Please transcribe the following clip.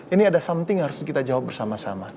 ini ada something yang harus kita jawab bersama sama